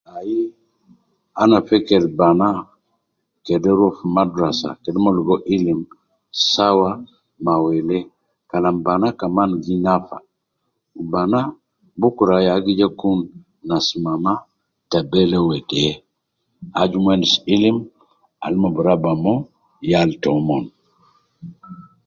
Ayi ana feker banaa kede ruwa fi madrasa kede umon ligo ilim sawa ma welee Kalam banaa kaman gi nafa banaa bukra ya bi Kun Nas mama ta bele wede aju Mon endis ilim Al umon bi raba moo yal toumon .